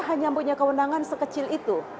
hanya punya kewenangan sekecil itu